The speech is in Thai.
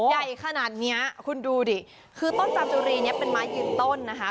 ใหญ่ขนาดนี้คุณดูดิคือต้นจามจุรีนี้เป็นไม้ยืนต้นนะคะ